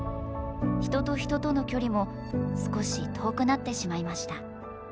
人と人との距離も少し遠くなってしまいました。